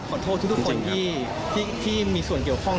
ขอโทษทุกคนที่มีส่วนเกี่ยวข้อง